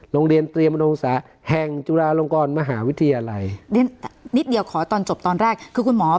โรงเรียนเตรียมอนงศาแห่งจุฬาลงกรมหาวิทยาลัยเรียนนิดเดียวขอตอนจบตอนแรกคือคุณหมอ